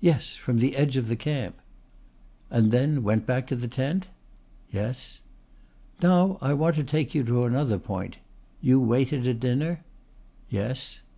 "Yes from the edge of the camp." "And then went back to the tent?" "Yes." "Now I want to take you to another point. You waited at dinner?" "Yes."